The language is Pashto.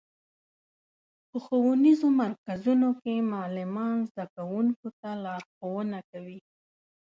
په ښوونیزو مرکزونو کې معلمان زدهکوونکو ته لارښوونه کوي.